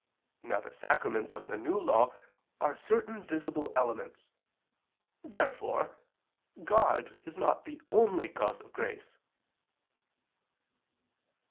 Now the sacraments of the New Law are certain visible elements. Therefore God is not the only cause of grace.